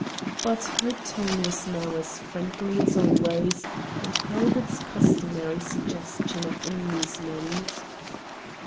But her tone was now as friendly as always, and held its customary suggestion of amusement.